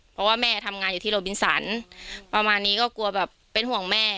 เพราะว่าแม่ทำงานอยู่ที่โรบินสันประมาณนี้ก็กลัวแบบเป็นห่วงแม่